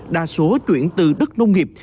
đa số chuyển từ đất nông nghiệp